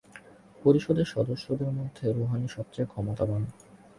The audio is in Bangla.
পরিষদের সদস্যদের মধ্যে রুহানি সবচেয়ে ক্ষমতাবান।